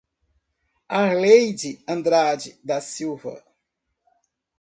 Arleide Andrade da Silva